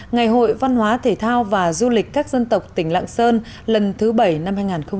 ngày hội văn hóa thể thao và du lịch các dân tộc tỉnh lạng sơn lần thứ bảy năm hai nghìn hai mươi